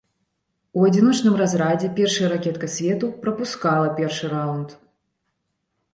У адзіночным разрадзе першая ракетка свету прапускала першы раунд.